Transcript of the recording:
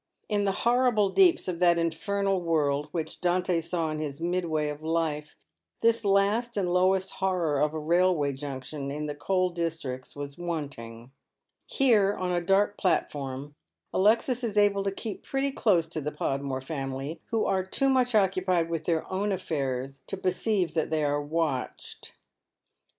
In the horrible deeps of that infernal world which Dante saw in his midway of life, this last and lowest horror of a railway junction in the coal districts was wanting. Here, on a dark platfoiTn, Alexis is able to keep pretty close to the Podmore family, who are too much occupied with their own affairs to perceive that they are watched.